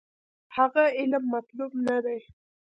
هغه علم مطلوب نه دی.